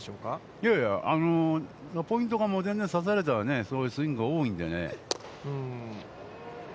いやいや、ポイントがもう、さされたそういうスイングが多いのでね。